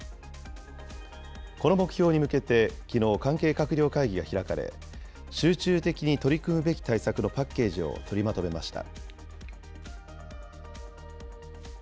この目標に向けて、きのう関係閣僚会議が開かれ、集中的に取り組むべき対策のパッケージを取りまとめました。